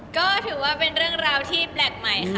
ก็ถือว่าเป็นเรื่องราวที่แปลกใหม่ค่ะ